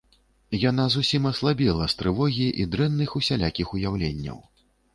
Яна зусім аслабела з трывогі і дрэнных усялякіх уяўленняў.